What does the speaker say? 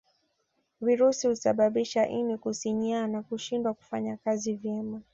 Virusi husababisha ini kusinyaa na kushindwa kufanya kazi vyema